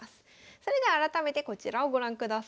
それでは改めてこちらをご覧ください。